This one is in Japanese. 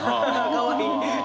かわいい！